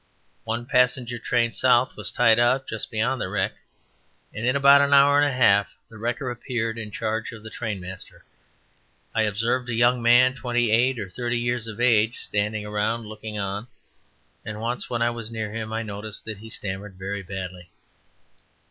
One passenger train south was tied up just beyond the wreck, and in about an hour and a half the wrecker appeared in charge of the trainmaster. I observed a young man twenty eight or thirty years of age standing around looking on, and once when I was near him I noticed that he stammered very badly.